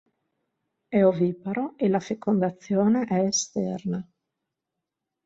È oviparo e la fecondazione è esterna.